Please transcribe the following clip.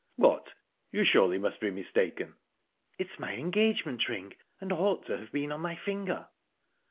"What! You surely must be mistaken." "It's my engagement ring and ought to have been on my finger."